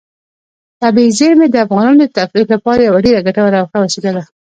طبیعي زیرمې د افغانانو د تفریح لپاره یوه ډېره ګټوره او ښه وسیله ده.